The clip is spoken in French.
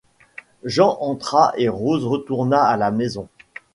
Jean entra et Rose retourna à la maison.